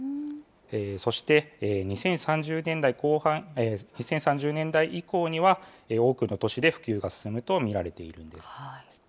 そして、２０３０年代以降には、多くの都市で普及が進むと見られているんです。